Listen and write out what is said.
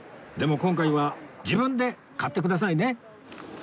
でも今回は自分で買ってくださいね